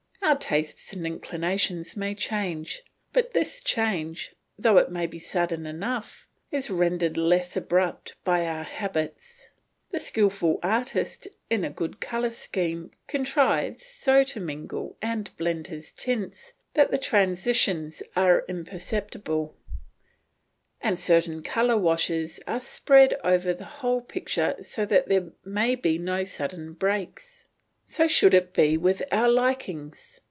Our tastes and inclinations may change, but this change, though it may be sudden enough, is rendered less abrupt by our habits. The skilful artist, in a good colour scheme, contrives so to mingle and blend his tints that the transitions are imperceptible; and certain colour washes are spread over the whole picture so that there may be no sudden breaks. So should it be with our likings.